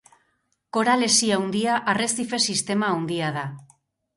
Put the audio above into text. Koral Hesi Handia Arrezife-sistema handia da.